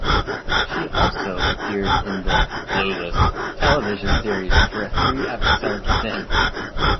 She also appeared in the "Clueless" television series for a three episode stint.